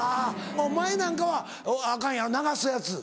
お前なんかはアカンやろ流すやつ。